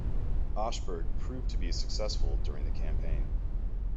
Ascheberg proved to be successful during the campaign.